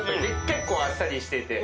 結構あっさりしてて。